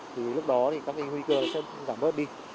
thì lúc đó các hình huy cơ sẽ giảm bớt đi